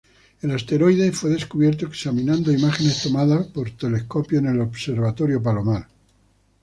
El asteroide fue descubierto examinando imágenes tomadas por telescopios en el Observatorio Palomar.